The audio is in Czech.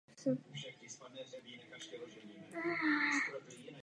Jeho funkcí je udržovat tlak v oku a umožňovat průchod světla na sítnici.